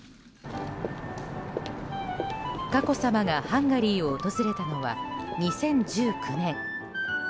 佳子さまがハンガリーを訪れたのは、２０１９年。